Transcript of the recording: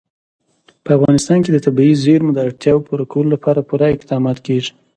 په افغانستان کې د طبیعي زیرمو د اړتیاوو پوره کولو لپاره پوره اقدامات کېږي.